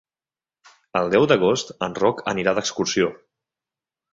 El deu d'agost en Roc anirà d'excursió.